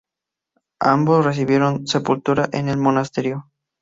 Ambos recibieron sepultura en el monasterio.